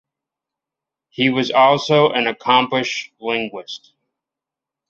He was also an accomplished linguist.